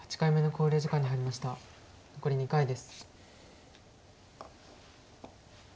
残り２回です。